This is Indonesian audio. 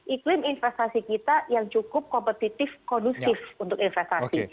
iklim investasi kita yang cukup kompetitif kondusif untuk investasi